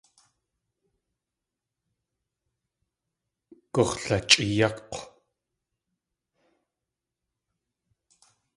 Gux̲lachʼéeyák̲w.